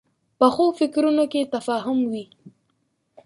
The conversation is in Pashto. پخو فکرونو کې تفاهم وي